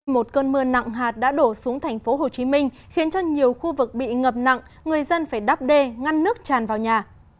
một cơn mưa nặng hạt đã đổ xuống thành phố hồ chí minh khiến cho nhiều khu vực bị ngập nặng người dân phải đắp đê ngăn nước tràn vào nhà